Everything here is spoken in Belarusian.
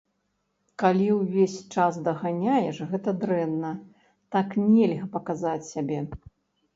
Калі ўвесь час даганяеш, гэта дрэнна, так нельга паказаць сябе.